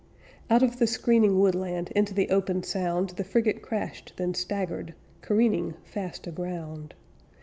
Out of the screening woodland Into the open sound The frigate crashed, then staggered Careening, fast aground.